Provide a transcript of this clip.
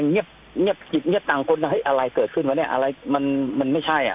เงียบต่างคนอะไรเกิดขึ้นวะเนี่ยมันไม่ใช่อ่ะ